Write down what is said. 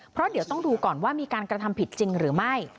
เพราะเดี๋ยวต้องดูก่อนว่ามีการกระทำผิดจริงหรือไม่